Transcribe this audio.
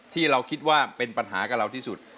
ที่เราคิดว่าเป็นปัญหากับเราที่สุด